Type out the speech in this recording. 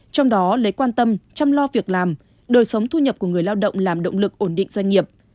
trong đó lấy quan tâm chăm lo việc làm đời sống thu nhập của người lao động làm động lực ổn định doanh nghiệp